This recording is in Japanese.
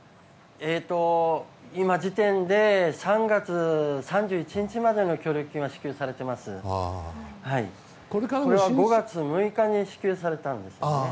今時点で３月３１日までの協力金は５月６日に支給されましたね。